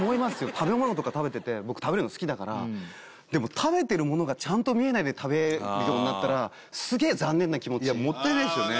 食べ物とか食べてて僕食べるの好きだからでもで食べるようになったらすげえ残念な気持ちいやもったいないですよね